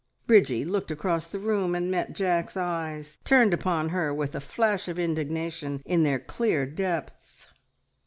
Bridgie looked across the room, and met Jack's eyes turned upon her with a flash of indignation in their clear depths.